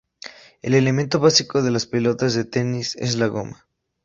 El elemento básico de las pelotas de tenis es la goma.